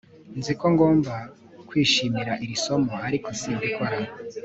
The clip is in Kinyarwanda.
Nzi ko ngomba kwishimira iri somo ariko simbikora